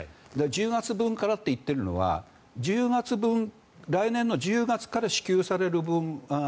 １０月分からと言っているのは１０月分から支給される分